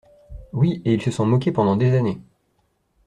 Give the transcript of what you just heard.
Oui, et ils se sont moqués pendant des années.